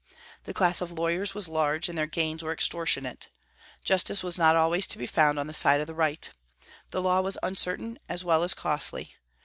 The class of lawyers was large, and their gains were extortionate. Justice was not always to be found on the side of right. The law was uncertain as well as costly.